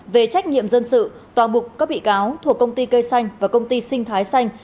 về trách nhiệm dân sự tòa bục các bị cáo thuộc công ty cây xanh và công ty sinh thái xanh